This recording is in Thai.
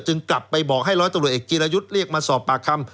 กลับไปบอกให้ร้อยตำรวจเอกจีรยุทธ์เรียกมาสอบปากคำ